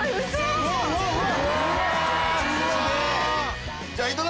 すごいわ。